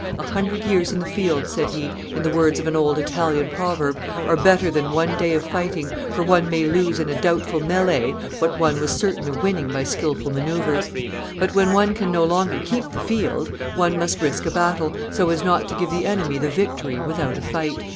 "A hundred years in the field," said he, in the words of an old Italian proverb, "are better than one day of fighting, for one may lose in a doubtful melley what one was certain of winning by skilful manoeuvres; but when one can no longer keep the field, one must risk a battle, so as not to give the enemy the victory without a fight."